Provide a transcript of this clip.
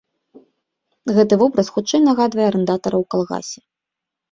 Гэты вобраз хутчэй нагадвае арандатараў у калгасе.